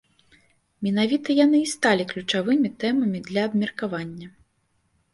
Менавіта яны і сталі ключавымі тэмамі для абмеркавання.